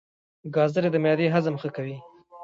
ګازرې د معدې هضم ښه کوي.